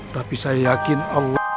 tapi saya yakin allah